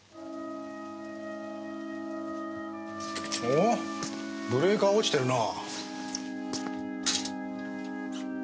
おっブレーカー落ちてるな。